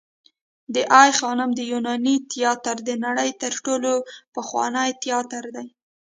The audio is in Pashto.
د آی خانم د یوناني تیاتر د نړۍ تر ټولو پخوانی تیاتر دی